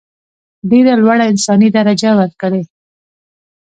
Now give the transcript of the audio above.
ډېره لوړه انساني درجه ورکړي.